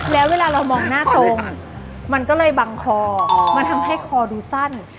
แล้วเวลาเรามองหน้าตรงมันก็เลยบังคอมันทำให้คอดูสั้น